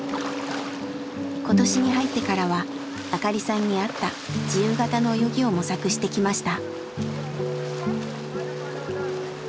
今年に入ってからは明香里さんに合った自由形の泳ぎを模索してきました。